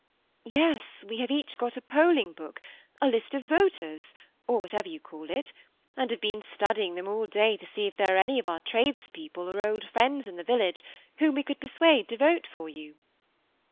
^* Yes, we have each got a p<^ling >book, a list of voters, or whatever yon call it, and have been stadji^ them all day to see if there are any of eor tradespeopie or old friends in the village irhom we ooold persnade to vote for you."